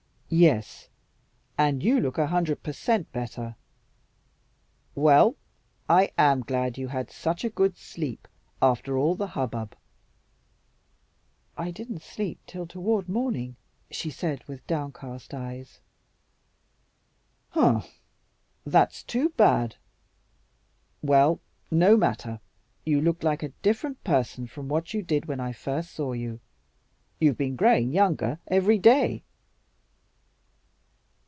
"Yes, and you look a hundred per cent better. Well, I AM glad you had such a good sleep after all the hubbub." "I didn't sleep till toward morning," she said, with downcast eyes. "Pshaw! That's too bad. Well, no matter, you look like a different person from what you did when I first saw you. You've been growing younger every day."